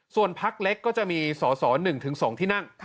ส่วนพักเล็กก็จะมีสอสอ๑๒ที่นั่ง